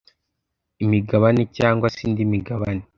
imigabane cyangwa se indi migabane